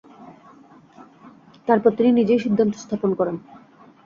তারপর তিনি নিজেই সিদ্ধান্ত স্থাপন করেন।